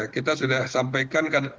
kita sudah sampaikan